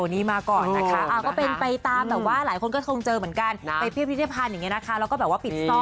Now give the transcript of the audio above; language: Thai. นี่คือแก้ว